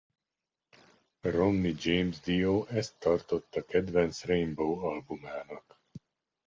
Ronnie James Dio ezt tartotta kedvenc Rainbow-albumának.